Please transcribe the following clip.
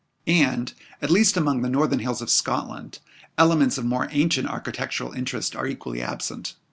And, at least among the northern hills of Scotland, elements of more ancient architectural interest are equally absent.